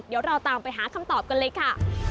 เดี๋ยวเราตามไปหาคำตอบกันเลยค่ะ